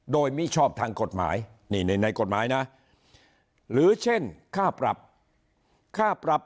โดยมิชอบทางกฎหมายนี่ในกฎหมายนะหรือเช่นค่าปรับค่าปรับ